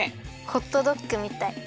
ホットドッグみたい。